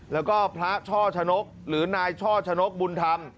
แล้วก็พระช่อชนกหรือนายช่อชนกบุญธรรม